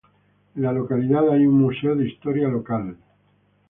En la localidad hay un museo de historia local.